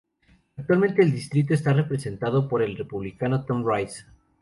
Actualmente el distrito está representado por el Republicano Tom Rice.